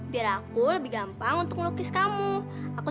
biar aku lebih gampang untuk melukis kamu